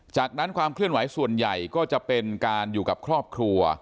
จากนั้นความเคลื่อนไหวส่วนใหญ่ก็จะเป็นการอยู่กับครอบครัว